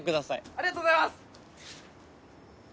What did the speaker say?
ありがとうございます！